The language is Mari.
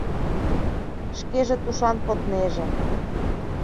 Шкеже тушан коднеже.